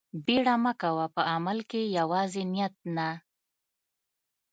بيړه مه کوه په عمل کښې يوازې نيت نه.